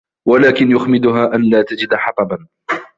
وَلَكِنْ يُخْمِدُهَا أَنْ لَا تَجِدَ حَطَبًا